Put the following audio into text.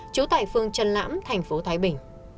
trú tại phương trần lãm thành phố thái bình